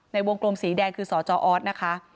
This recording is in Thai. ในวงกลมสีแดงคือสจออสนะคะ